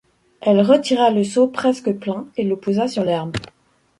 Elle retira le seau presque plein et le posa sur l’herbe.